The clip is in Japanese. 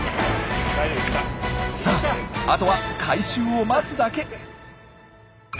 さああとは回収を待つだけ。